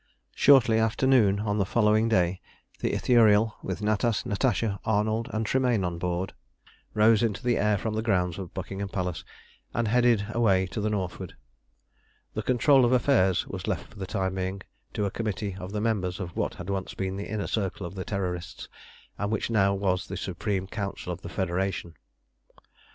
Shortly after noon on the following day the Ithuriel, with Natas, Natasha, Arnold, and Tremayne on board, rose into the air from the grounds of Buckingham Palace and headed away to the northward. The control of affairs was left for the time being to a committee of the members of what had once been the Inner Circle of the Terrorists, and which was now the Supreme Council of the Federation.